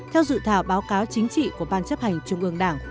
theo dự thảo báo cáo chính trị của ban chấp hành trung ương đảng khóa một mươi